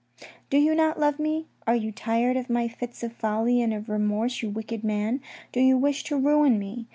" Do you not love me ? Are you tired of my fits of folly and of remorse, you wicked man ? Do you wish to ruin me